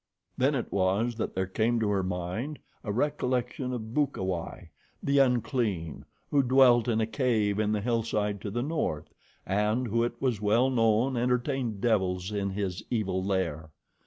Then it was that there came to her mind a recollection of Bukawai, the unclean, who dwelt in a cave in the hillside to the north, and who it was well known entertained devils in his evil lair.